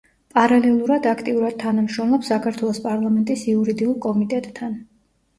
პარალელურად აქტიურად თანამშრომლობს საქართველოს პარლამენტის იურიდიულ კომიტეტთან.